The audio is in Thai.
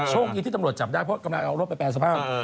คดีที่ตำรวจจับได้เพราะกำลังเอารถไปแปรสภาพ